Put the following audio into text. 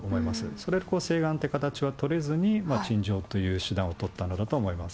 それで、請願という形は取れずに、陳情という手段を取ったんだと思います。